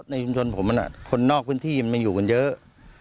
ในชุมชนผมมันคนนอกพื้นที่มันมาอยู่กันเยอะ